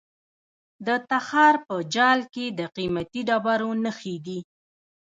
د تخار په چال کې د قیمتي ډبرو نښې دي.